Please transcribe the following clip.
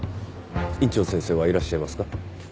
院長先生はいらっしゃいますか？